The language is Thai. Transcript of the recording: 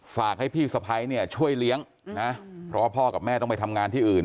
ฝากให้พี่สะพ้ายเนี่ยช่วยเลี้ยงนะเพราะว่าพ่อกับแม่ต้องไปทำงานที่อื่น